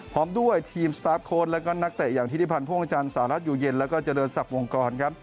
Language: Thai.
พร้อมด้วยทีมสตาร์ฟโค้ดและนักเตะอย่างธิริพันธ์พ่วงอาจารย์สหรัฐอยู่เย็นและเจริญศัพท์วงกร